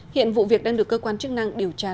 hiện vụ việc đang được cơ quan chức năng điều tra làm